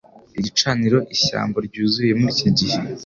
Igicaniro ishyamba ryuzuye muri iki gihe,